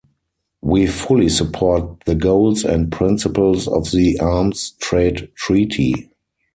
We fully support the goals and principles of the arms trade treaty.